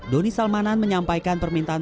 doni salmanan menyampaikan permintaan